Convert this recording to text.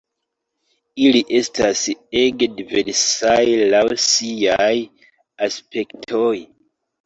Ili estas ege diversaj laŭ siaj aspektoj.